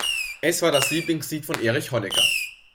Es war das Lieblingslied von Erich Honecker.